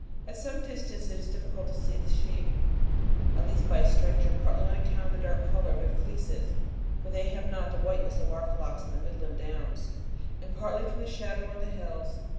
At some distance it is difficult to see the sheep, at least by a stranger, partly on account of the dark colour of their fleeces (for they have not the whiteness of our flocks in the midland downs), and partly from the shadow on the hills.